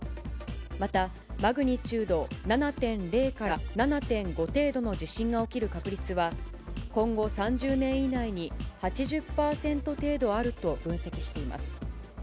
また、マグニチュード７．０から７．５程度の地震が起きる確率は、今後３０年以内に、８０％程度あると分析しています。